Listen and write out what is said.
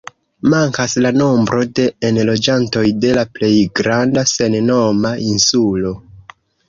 Mankas la nombro de enloĝantoj de la plej granda, sennoma insulo.